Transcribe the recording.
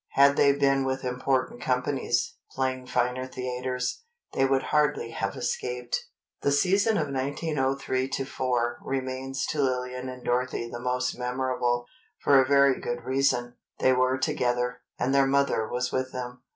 Had they been with important companies, playing finer theatres, they would hardly have escaped. The season of 1903 4 remains to Lillian and Dorothy the most memorable—for a very good reason: they were together, and their mother was with them.